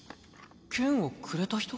剣をくれた人？